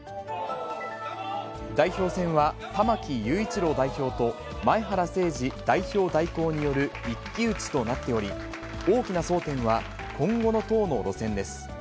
代表選は、玉木雄一郎代表と、前原誠司代表代行による一騎打ちとなっており、大きな争点は今後の党の路線です。